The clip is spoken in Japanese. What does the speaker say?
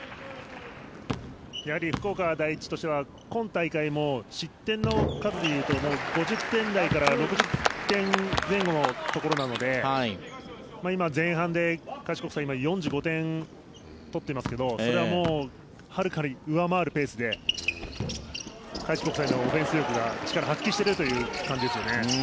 やはり福岡第一としては今大会も失点の数でいうと５０点台から６０点前後のところなので今、前半で開志国際４５点取っていますけどそれははるかに上回るペースで開志国際のオフェンス力が力を発揮しているという感じですよね。